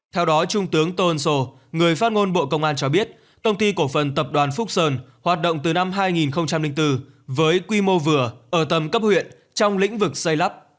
theo đó trung tướng tô ân sô người phát ngôn bộ công an cho biết công ty cổ phần tập đoàn phúc sơn hoạt động từ năm hai nghìn bốn với quy mô vừa ở tầm cấp huyện trong lĩnh vực xây lắp